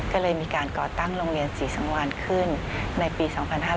ก็เลยมีการก่อตั้งโรงเรียนศรีสังวานขึ้นในปี๒๕๕๙